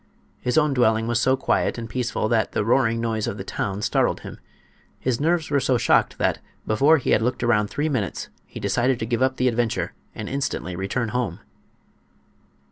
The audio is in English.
His own dwelling was so quiet and peaceful that the roaring noise of the town startled him. His nerves were so shocked that before he had looked around three minutes he decided to give up the adventure, and instantly returned home.